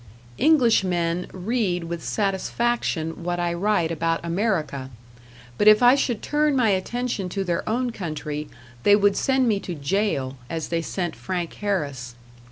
Englishmen read with satisfaction what I write about America; but if I should turn my attention to their own country, they would send me to jail as they sent Frank Harris.